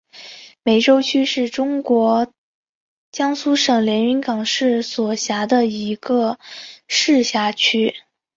海州区是中国江苏省连云港市所辖的一个市辖区。